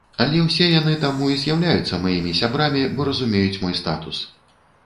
Але ўсе яны таму і з'яўляюцца маімі сябрамі, бо разумеюць мой статус.